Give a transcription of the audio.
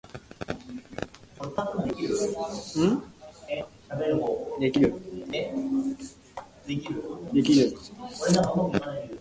Sambhaji was in great worry that his fiercely brave warriors were fighting without food.